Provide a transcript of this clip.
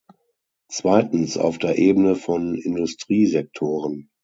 Zweitens auf der Ebene von Industriesektoren.